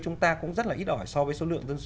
chúng ta cũng rất là ít ỏi so với số lượng